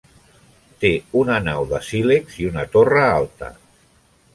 Té una nau de sílex i una torre alta.